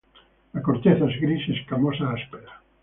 La corteza es gris y escamosa, áspera.